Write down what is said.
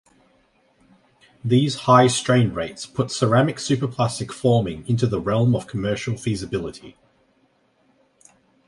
These high strain rates put ceramic superplastic forming into the realm of commercial feasibility.